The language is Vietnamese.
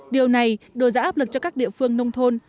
điều này đổi giá áp lực cho các địa phương nông thôn